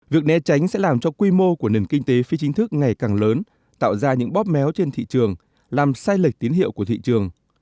việc né tránh sẽ làm cho quy mô của nền kinh tế phi chính thức ngày càng lớn tạo ra những bóp méo trên thị trường làm sai lệch tín hiệu của thị trường